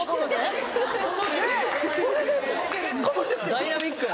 ダイナミックな。